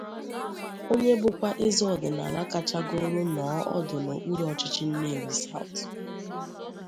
onye bụkwa eze ọdịnala kachagoro nọọ ọdụ n'okpuru ọchịchị Nnewi South